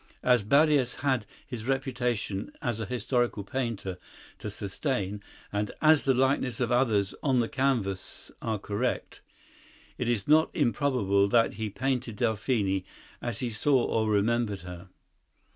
As Barrias had his reputation as a historical painter to sustain and as the likenesses of others on the canvas are correct, it is not improbable that he painted Delphine as he saw or remembered her.